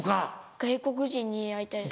外国人に会いたいです。